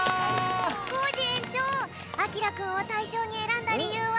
コージえんちょうあきらくんをたいしょうにえらんだりゆうは？